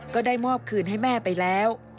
ก็ได้มอบคืนให้แม่ไปแล้ว